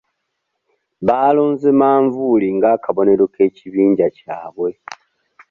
Baalonze manvuuli ng'akabonero k'ekibiinja kyabwe.